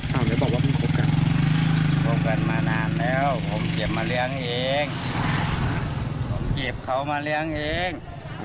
เพิ่งคบกันมานานแล้วครับผมเจ็บเขามาเรียงเอง